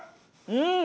うん！